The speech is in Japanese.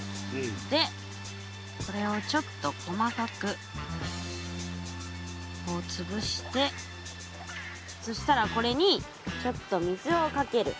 でこれをちょっと細かくつぶしてそしたらこれにちょっと水をかける。